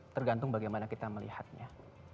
tergantung bagaimana kita melihatnya